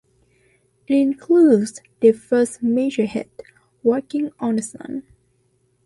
It includes their first major hit, "Walkin' on the Sun".